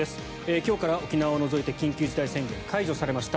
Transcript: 今日から沖縄を除いて緊急事態宣言解除されました。